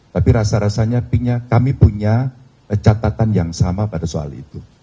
tapi rasa rasanya kami punya catatan yang sama pada soal itu